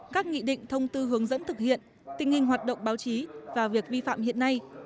các nghị định thông tư hướng dẫn thực hiện tình hình hoạt động báo chí và việc vi phạm hiện nay